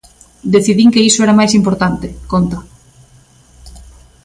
"Decidín que iso era máis importante", conta.